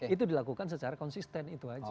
itu dilakukan secara konsisten itu aja